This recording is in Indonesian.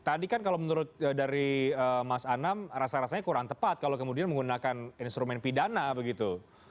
tadi kan kalau menurut dari mas anam rasa rasanya kurang tepat kalau kemudian menggunakan instrumen pidana begitu